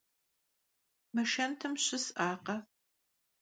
Mı şşentım şıs'akhe?